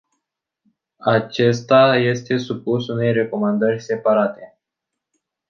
Acesta este supus unei recomandări separate.